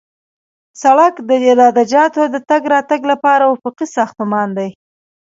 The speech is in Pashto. سړک د عراده جاتو د تګ راتګ لپاره افقي ساختمان دی